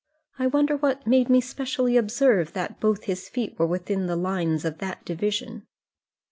I wonder what made me specially observe that both his feet were within the lines of that division."